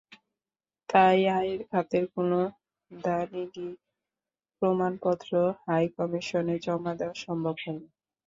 তাই আয়ের খাতের কোনো দালিলিক প্রমাণপত্র হাইকমিশনে জমা দেওয়া সম্ভব হয়নি।